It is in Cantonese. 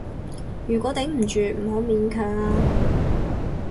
如果頂唔住，唔好勉強啊